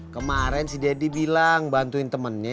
kemarin si deddy bilang bantuin temennya